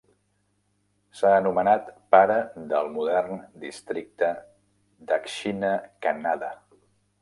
S'ha anomenat "Pare del modern districte Dakshina Kannada".